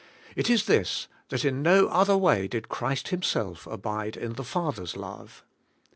It is this, that in no other way did Christ Himself abide in the Father's love.